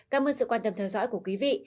cảm ơn sự quan tâm theo dõi của quý vị